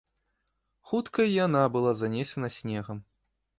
Хутка і яна была занесена снегам.